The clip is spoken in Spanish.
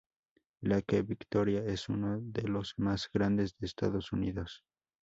Lake Victoria es uno de los más grandes de Estados Unidos.